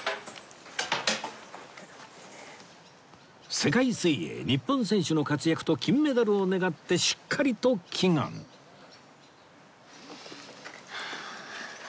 世界水泳日本選手の活躍と金メダルを願ってしっかりと祈願はあ。